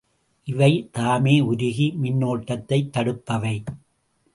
இவை தாமே உருகி மின்னோட்டத்தைத் தடுப்பவை.